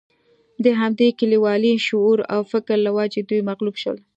د همدې کلیوالي شعور او فکر له وجې دوی مغلوب شول.